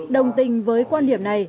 đồng tình với quan điểm này